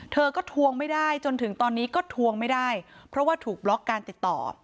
เธอก็ทวงไม่ได้จนถึงตอนนี้ก็ทวงไม่ได้เพราะว่าถูกบล็อกการติดต่อ